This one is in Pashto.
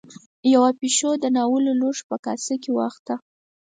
يوه پيشو د ناولو لوښو په کاسه کې وخته.